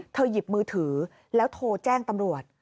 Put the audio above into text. หยิบมือถือแล้วโทรแจ้งตำรวจ